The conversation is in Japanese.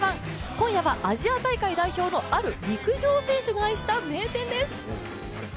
今夜はアジア大会代表のある陸上選手が愛した名店です。